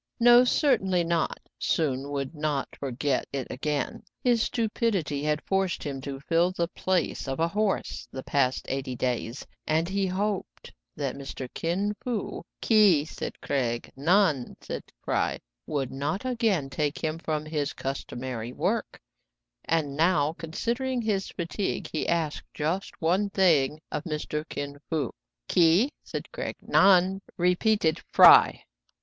" No, certainly not : Soun would not forget it again. His stupidity had forced him to fill the piace of a horse the past eight days, and he hoped that Mr. Kin Fo "— "Ki"— said Craig. "Nan," added Fry. —" would not again take him from his custom ary work ; and now, considering his fatigue, he asked just one thing of Mr. Kin Fo "—" Ki "— said Craig. " Nan," repeated Fry.